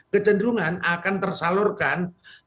kecenderungan akan tersalurkan